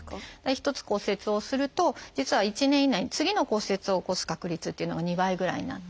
一つ骨折をすると実は１年以内に次の骨折を起こす確率っていうのが２倍ぐらいになって。